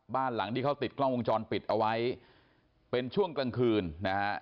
บ้านหลังที่เขาติดกล้องวงจรปิดเอาไว้เป็นช่วงกลางคืนนะฮะ